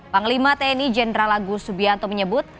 panglima tni jenderal agus subianto menyebut